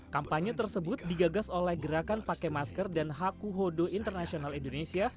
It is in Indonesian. kampanye tersebut digagas oleh gerakan pakai masker dan haku hodo internasional indonesia